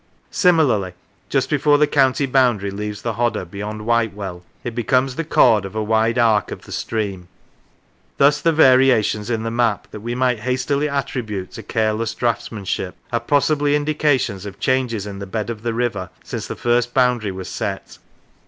Similarly, just before the county boundary leaves the Hodder, beyond Whitewell, it becomes the chord of a wide arc of the stream. Thus the variations in the map, that we might hastily attribute to careless draughtsmanship, are possibly indications of changes in the bed of the river since first the boundary was set.